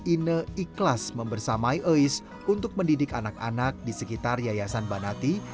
ine ikhlas membersamai ois untuk mendidik anak anak di sekitar yayasan banati